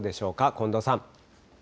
近藤さん。